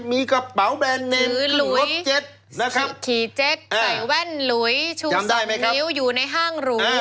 ขี่เจ็คใส่แว่นหล่วยชู๒นิ้วอยู่ในห้างรู